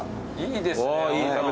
いいですね。